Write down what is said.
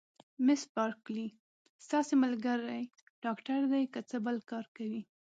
مس بارکلي: ستاسي ملګری ډاکټر دی، که څه بل کار کوي؟